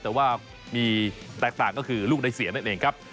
แต่ว่ามีแตกต่างก็คือลูกได้เสียนั่นเองครับ